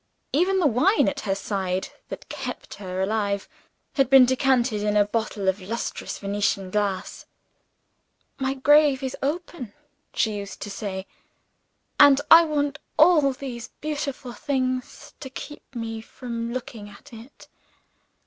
Even the wine at her side that kept her alive had been decanted into a bottle of lustrous Venetian glass. "My grave is open," she used to say; "and I want all these beautiful things to keep me from looking at it.